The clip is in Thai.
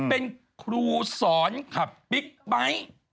เป็นครูสอนขับบิ๊กไบท์